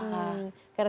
wah keren ya